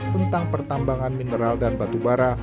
tentang pertambangan mineral dan batubara